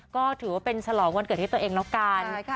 ก็ถือว่าเป็นฉลองวันเกิดให้ตัวเองแล้วกัน